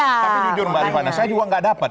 tapi jujur mbak rifana saya juga nggak dapat